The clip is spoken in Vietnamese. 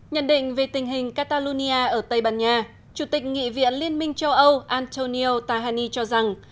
nhận định về tình hình catalonia ở tây ban nha chủ tịch nghị viện liên minh châu âu antonio tahani cho rằng